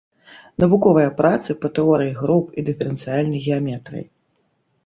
Навуковыя працы па тэорыі груп і дыферэнцыяльнай геаметрыі.